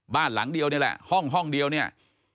บ้านหลังเดียวนี่แหละห้องห้องเดียวเนี่ย